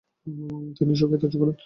তিনি সুখ্যাতি অর্জন করেন।